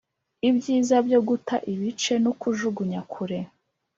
ibyiza byo guta ibice nukujugunya kure